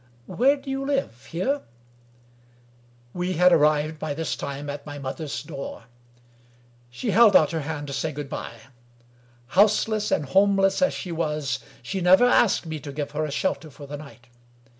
Where do you live ? Here ?" We had arrived, by this time, at my mother's door. She held out her hand to say good by. Houseless and home less as she was, she never asked me to give her a shelter for the night.